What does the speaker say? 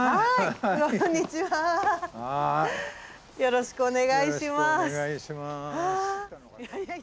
よろしくお願いします。